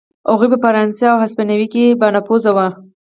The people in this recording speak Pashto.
هغوی په فرانسې او هسپانیې کې بانفوذه و.